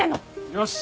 よし！